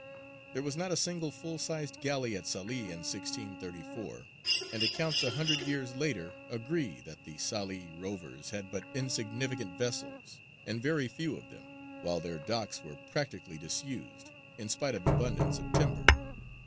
There was not a single full sized galley at Salē in 1634, and accounts a hundred years later agree that the Salē rovers had but insignificant vessels, and very few of them, while their docks were practically disused, in spite of abundance of timber.